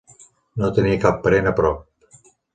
No tenia cap parent a prop.